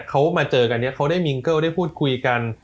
เขามาเจอกันเนี่ยเขาได้มิงเกิ้ลได้พูดคุยกัน